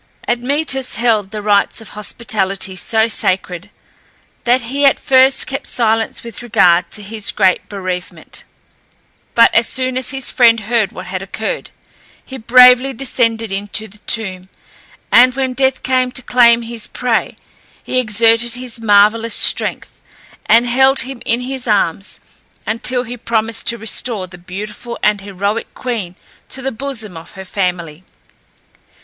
Admetus held the rites of hospitality so sacred, that he at first kept silence with regard to his great bereavement; but as soon as his friend heard what had occurred, he bravely descended into the tomb, and when death came to claim his prey, he exerted his marvellous strength, and held him in his arms, until he promised to restore the beautiful and heroic queen to the bosom of her family.